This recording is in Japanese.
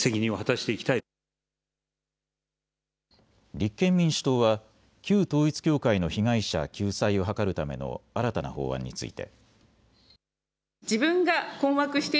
立憲民主党は旧統一教会の被害者救済を図るための新たな法案について。